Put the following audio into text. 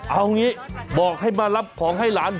เอางี้บอกให้มารับของให้หลาน